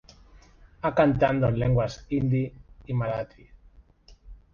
Ha cantando en lenguas Hindi y Marathi.